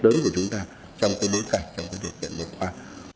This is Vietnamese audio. trong đối cạnh trong điều kiện liên quan